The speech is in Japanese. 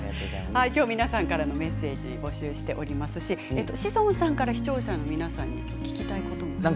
皆さんからのメッセージを募集していますし志尊さんから視聴者の皆さんに聞きたいことありますか？